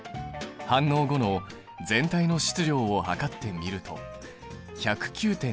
反応後の全体の質量を量ってみると１０９．２２ｇ。